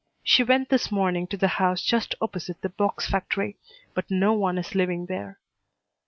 She went this morning to the house just opposite the box factory, but no one is living there.